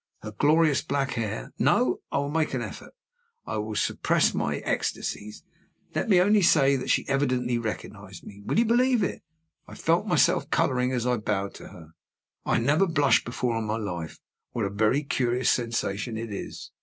Her glorious black hair no! I will make an effort, I will suppress my ecstasies. Let me only say that she evidently recognized me. Will you believe it? I felt myself coloring as I bowed to her. I never blushed before in my life. What a very curious sensation it is!